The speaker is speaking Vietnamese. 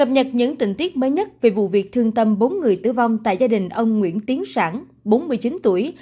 cập nhật những tình tiết mới nhất về vụ việc thương tâm bốn người tử vong tại gia đình ông nguyễn tiến sản bốn mươi chín tuổi